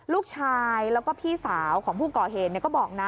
ลูกชายแล้วก็พี่สาวของผู้ก่อเหตุก็บอกนะ